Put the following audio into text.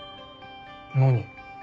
何？